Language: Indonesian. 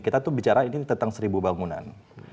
kita tuh bicara ini tentang seribu bangunan